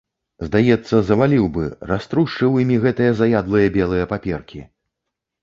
Здаецца, заваліў бы, раструшчыў імі гэтыя заядлыя белыя паперкі.